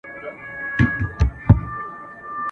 چي اغزن دي هر یو خیال وي له بیابان سره همزولی!.